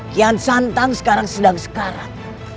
kian santang sekarang sedang sekarang